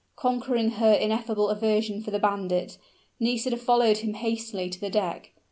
Conquering her ineffable aversion for the bandit, Nisida followed him hastily to the deck.